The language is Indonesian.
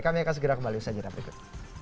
kami akan segera kembali bersajaran berikut